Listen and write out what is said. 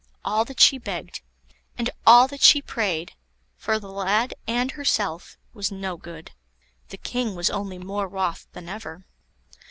All that she begged, and all that she prayed, for the lad and herself, was no good. The King was only more wroth than ever.